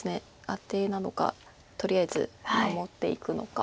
アテなのかとりあえず守っていくのか。